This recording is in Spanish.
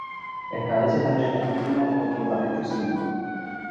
Establece las reglas mínimas de comportamiento cívico.